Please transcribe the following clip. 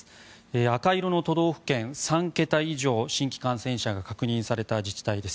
赤色の都道府県３桁以上、新規感染者が確認された自治体です。